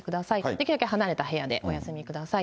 できるだけ離れた部屋でお休みください。